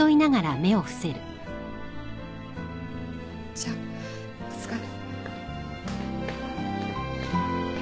じゃあお疲れ。